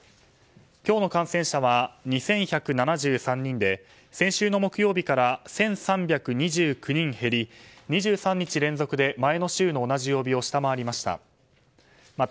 今日の感染者は２１７３人で先週の木曜日から１３２９人減り２３日連続で前の週の同じ曜日を下回りました。